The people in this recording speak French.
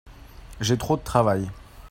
j'ai trop de travail.